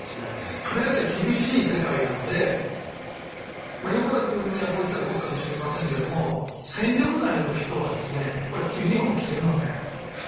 プロ野球は厳しい世界なので横田君にはこう言ったら酷かもわかりませんが戦力外の人は普通はユニホームは着れません。